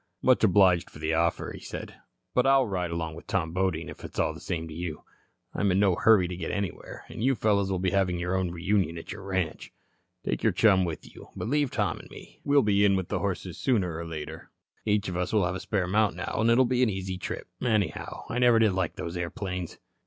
"Much obliged for the offer," he said, "but I'll ride along with Tom Bodine, if it's all the same to you. I'm in no hurry to get anywhere, and you fellows will be having your own reunion at your ranch. Take your chum with you, but leave Tom and me. We'll be in with the horses sooner or later. Each of us will have a spare mount now, and it'll be an easy trip. Anyhow, I never did like those airplanes."